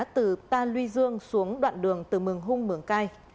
từ ta luy dương xuống đoạn đường từ mường hung mường cai